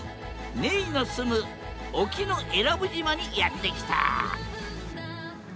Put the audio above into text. めいの住む沖永良部島にやって来た